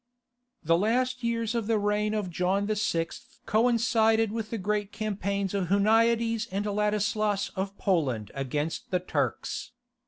The last years of the reign of John VI. coincided with the great campaigns of Huniades and Ladislas of Poland against the Turks.